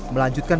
terima kasih pak